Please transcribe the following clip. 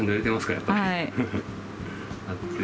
やっぱり。